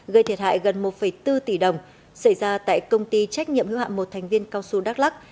gây thiệt hại gần một bốn tỷ đồng xảy ra tại công ty trách nhiệm hưu hạm một thành viên cao su đắk lắc